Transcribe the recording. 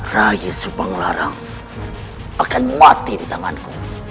rayi sepenglarang akan mati di tanganku